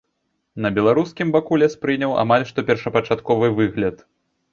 На беларускім баку лес прыняў амаль што першапачатковы выгляд.